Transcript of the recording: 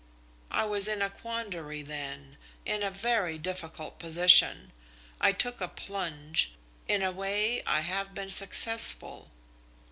I was in a quandary then in a very difficult position. I took a plunge. In a way I have been successful."